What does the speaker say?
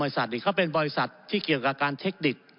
บริษัทนี่เขาเป็นบริษัทที่เกี่ยวกับการเทคนิค